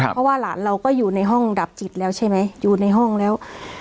เพราะว่าหลานเราก็อยู่ในห้องดับจิตแล้วใช่ไหมอยู่ในห้องแล้ว